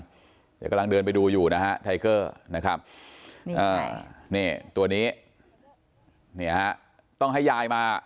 เดี๋ยวกำลังเดินไปดูอยู่นะฮะไทเกอร์นะครับตัวนี้ต้องให้ยายมา